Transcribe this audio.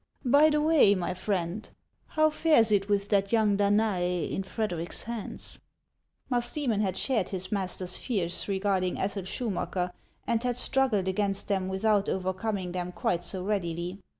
By the way, my friend, how fares it with that young Danae in Frederic's hands ?" Musdoemon had shared his master's fears regarding Ethel Schumacker, and had struggled against them with out overcoming them quite so readily.